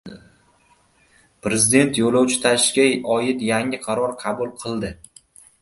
Prezident yo‘lovchi tashishga oid yangi qaror qabul qildi